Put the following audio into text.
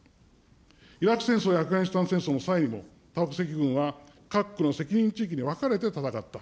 イラク戦争やアフガニスタン戦争の際にも、多国籍軍は各国の責任地域に分かれて戦った。